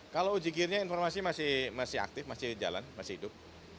kalau ujikirnya informasi masih aktif masih jalan masih hidup